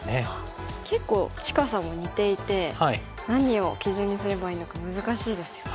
結構近さも似ていて何を基準にすればいいのか難しいですよね。